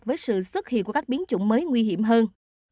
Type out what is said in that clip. với sự xuất hiện của các biến chủng mới nguy hiểm hơn